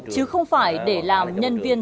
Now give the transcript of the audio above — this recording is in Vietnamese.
chứ không phải để làm nhân viên